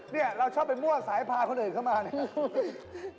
เนี่ยเราชอบไปมั่วสายพาคนอื่นเข้ามาเนี่ย